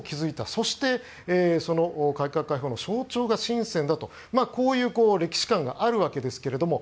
そして、その改革開放の象徴がシンセンだとこういう歴史観があるわけですけども